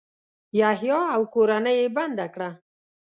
یحیی او کورنۍ یې بنده کړه.